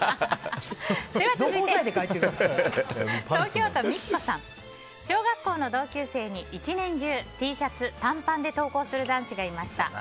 続いて、東京都の方。小学校の同級生に１年中Ｔシャツに短パンで登校する男子がいました。